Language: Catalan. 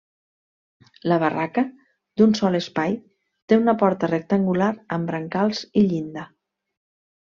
La barraca, d'un sol espai, té una porta rectangular amb brancals i llinda.